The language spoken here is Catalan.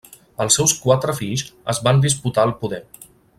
Els seus quatre fills es van disputar el poder.